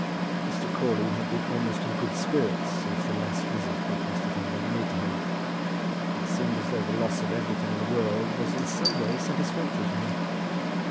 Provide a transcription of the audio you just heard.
Mr. Crawley had been almost in good spirits since the last visit which Mr. Thumble had made to him. It seemed as though the loss of everything in the world was in some way satisfactory to him.